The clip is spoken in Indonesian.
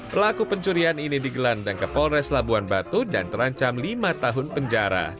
pelaku pencurian ini digelandang ke polres labuan batu dan terancam lima tahun penjara